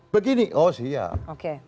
begini oh siap